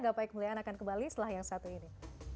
gapai kemuliaan akan kembali setelah yang satu ini